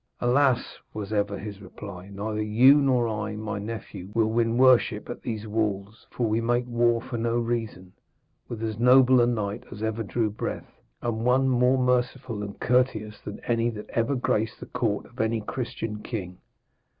'Alas,' was ever his reply, 'neither you nor I, my nephew, will win worship at these walls. For we make war for no reason, with as noble a knight as ever drew breath, and one more merciful and courteous than any that ever graced the court of any Christian king.'